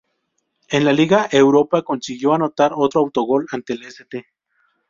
En la Liga Europa consiguió anotar otro auto-gol ante el St.